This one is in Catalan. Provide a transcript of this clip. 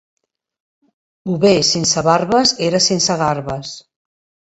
Bover sense barbes, era sense garbes.